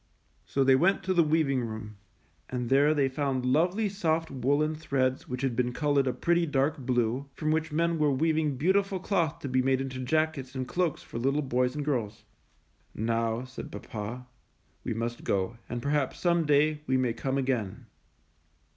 So they went to the weaving room, and there they found lovely soft woolen threads which had been colored a pretty, dark blue, from which men were weaving beautiful cloth to be made into jackets and cloaks for little boys and girls. ^^Now,'' said papa, "we must go, and perhaps some day we may come again."